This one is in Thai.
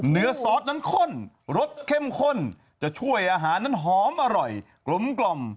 ซอสนั้นข้นรสเข้มข้นจะช่วยอาหารนั้นหอมอร่อยกลม